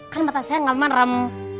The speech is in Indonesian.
kan mata saya gak maram